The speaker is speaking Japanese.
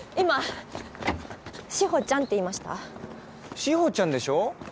志保ちゃんでしょ？